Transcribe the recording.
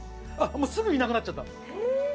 もうすぐいなくなっちゃった。